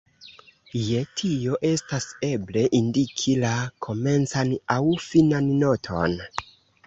Je tio estas eble, indiki la komencan aŭ finan noton.